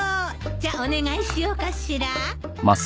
じゃお願いしようかしら。